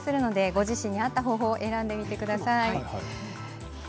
ご自身に合った方法を選んでみてください。